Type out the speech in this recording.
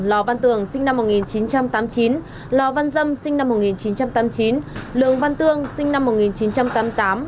lò văn tường sinh năm một nghìn chín trăm tám mươi chín lò văn dâm sinh năm một nghìn chín trăm tám mươi chín lường văn tương sinh năm một nghìn chín trăm tám mươi tám